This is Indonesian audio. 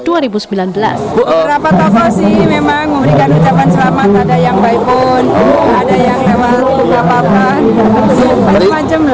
ini memang memberikan ucapan selamat ada yang baik pun ada yang apa apa macam macam lah